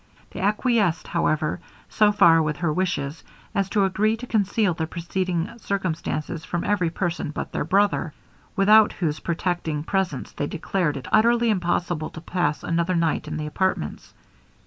They acquiesced, however, so far with her wishes, as to agree to conceal the preceding circumstances from every person but their brother, without whose protecting presence they declared it utterly impossible to pass another night in the apartments.